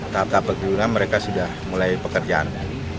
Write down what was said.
tahap tahap pengguna mereka sudah mulai pekerjaan